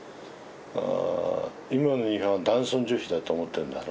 今の日本は男尊女卑だと思ってるんだろ？